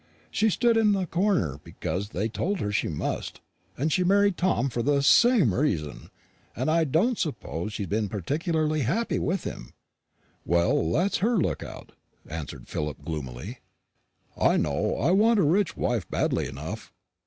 She stood in the corner because they told her she must; and she married Tom for the same reason, and I don't suppose she's been particularly happy with him." "Well, that's her look out," answered Philip gloomily; "I know I want a rich wife badly enough.